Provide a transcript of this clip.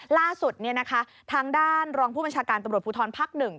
ล่าสุดทางด้านรองผู้บัญชาการตำรวจภูทรภักดิ์๑